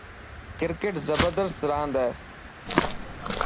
ڪرڪيٽ زبردست راند هي.